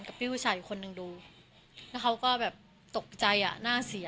พี่ผู้ชายอีกคนนึงดูแล้วเขาก็แบบตกใจอ่ะน่าเสีย